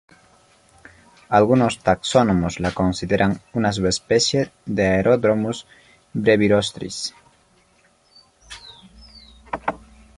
Algunos taxónomos la consideran una subespecie de "Aerodramus brevirostris".